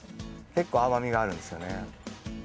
結構甘みがあるんですよね。